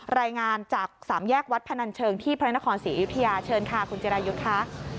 รายงานจากสามแยกวัดพนันเชิงที่พระนครศรีอยุธยาเชิญค่ะคุณจิรายุทธ์ค่ะ